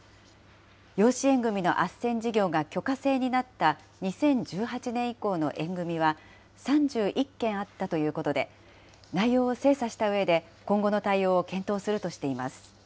養子縁組のあっせん事業が許可制になった２０１８年以降の縁組は、３１件あったということで、内容を精査したうえで、今後の対応を検討するとしています。